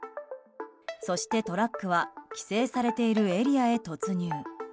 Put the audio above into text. そして、トラックは規制されているエリアへ突入。